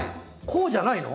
こうじゃないの？